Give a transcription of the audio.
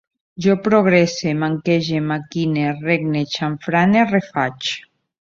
Jo progresse, manquege, maquine, regne, xamfrane, refaig